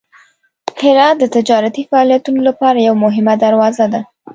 هرات د تجارتي فعالیتونو لپاره یوه مهمه دروازه ده.